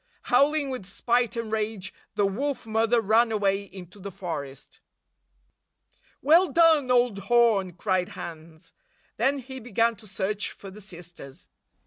Howling with spite and rage, the Wolf Mother ran away into the forest. "Well done, old horn!" cried Hans. Then he began to search for the sisters.